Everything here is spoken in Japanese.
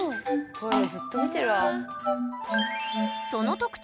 こういうのずっと見てるわ。